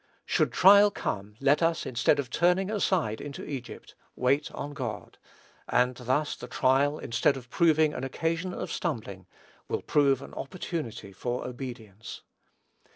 Should trial come, let us, instead of turning aside into Egypt, wait on God; and thus the trial, instead of proving an occasion of stumbling, will prove an opportunity for obedience.